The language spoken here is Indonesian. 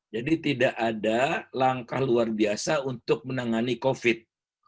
jadi tidak ada langkah luar biasa untuk menangani kofit